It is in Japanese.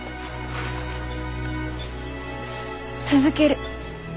続ける。